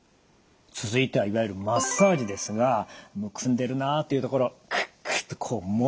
続いてはいわゆるマッサージですがむくんでるなというところをくっくっとこうもんでいく